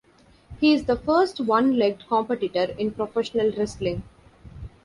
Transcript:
He is the first one-legged competitor in professional wrestling.